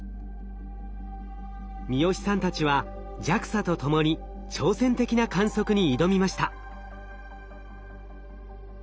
三好さんたちはＪＡＸＡとともに挑戦的な観測に挑みました。